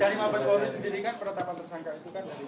dari maafkan saya sendiri kan penetapan tersangka itu kan